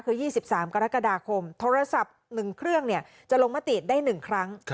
คือ๒๓กรกฎาคมโทรศัพท์๑เครื่องจะลงมติได้๑ครั้ง